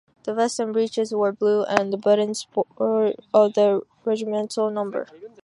The vest and breeches were blue and the buttons bore of the regimental number.